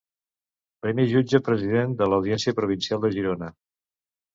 Primer jutge president de l'Audiència Provincial de Girona.